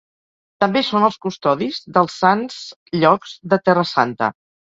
També són els custodis dels Sants Llocs de Terra Santa.